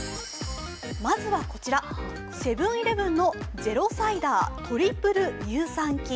まずはこちら、セブン−イレブンのゼロサイダートリプル乳酸菌。